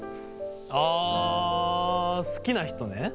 あ好きな人ね？